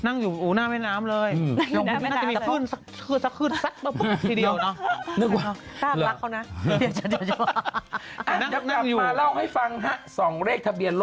นั่งอยู่หน้าแม่น้ำเลย